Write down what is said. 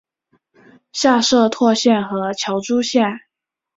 下设柘县和乔珠县。